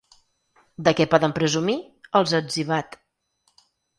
De què poden presumir?, els ha etzibat.